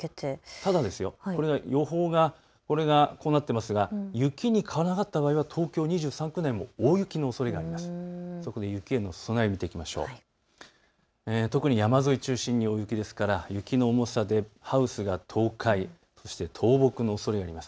ただ、予報が雪に変わらなかった場合は東京２３区内も大雪の可能性があります。